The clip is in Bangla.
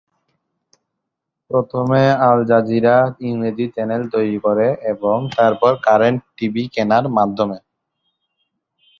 প্রথমে আল জাজিরা ইংরেজি চ্যানেল তৈরি এবং তারপর কারেন্ট টিভি কেনার মাধ্যমে।